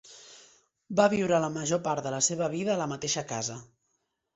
Va viure la major part de la seva vida a la mateixa casa.